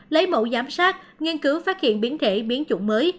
lấy mẫu giám sát nghiên cứu phát hiện biến thể biến chủng mới